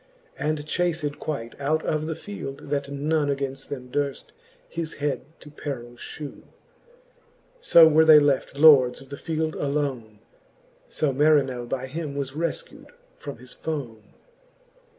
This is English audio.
And chaced quite out of the field, that none Againft them durft his head to perill (hew. So were they left lords of the field alone : So Marinell by him was refcu'd from his fone.